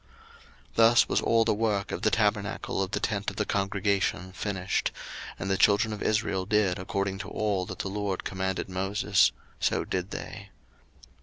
02:039:032 Thus was all the work of the tabernacle of the tent of the congregation finished: and the children of Israel did according to all that the LORD commanded Moses, so did they.